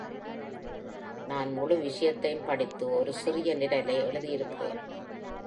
நான் முழு விஷயத்தையும் படித்து ஒரு சிறிய நிரலை எழுதியிருக்கிறேன்.